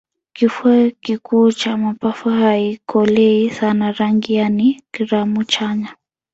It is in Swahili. kifua kikuu cha mapafu haikolei sana rangi yaani gramu chanya